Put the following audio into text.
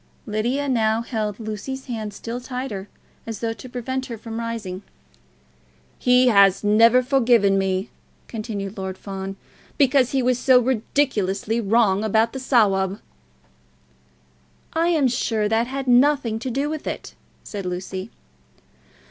Lydia now held Lucy's hand still tighter, as though to prevent her rising. "He has never forgiven me," continued Lord Fawn, "because he was so ridiculously wrong about the Sawab." "I am sure that had nothing to do with it," said Lucy.